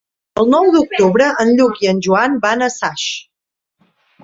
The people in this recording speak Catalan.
El nou d'octubre en Lluc i en Joan van a Saix.